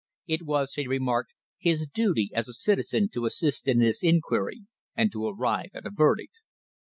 It was, he remarked, his duty as a citizen to assist in this inquiry, and to arrive at a verdict.